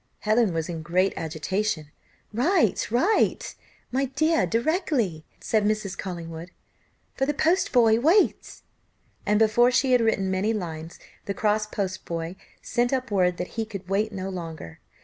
Helen was in great agitation. "Write write my dear, directly," said Mrs. Collingwood, "for the post boy waits." And before she had written many lines the cross post boy sent up word that he could wait no longer.